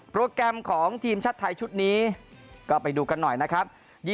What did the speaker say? แกรมของทีมชาติไทยชุดนี้ก็ไปดูกันหน่อยนะครับ